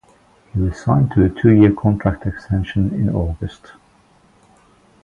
He was signed to a two-year contract extension in August.